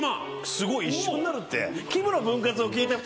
すごい一緒になるって。